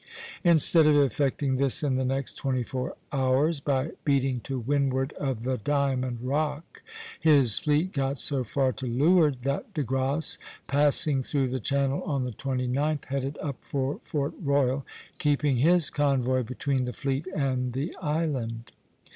Instead of effecting this in the next twenty four hours, by beating to windward of the Diamond Rock, his fleet got so far to leeward that De Grasse, passing through the channel on the 29th, headed up for Fort Royal, keeping his convoy between the fleet and the island.